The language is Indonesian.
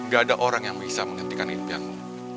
gak ada orang yang bisa menghentikan impianmu